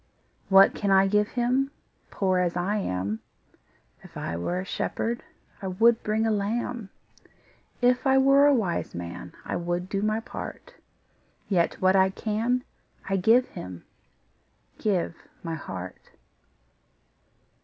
What can I give Him, Poor as I am? If I were a shepherd, I would bring a lamb; If I were a wise man, I would do my part: Yet what I can I give Him, Give my heart.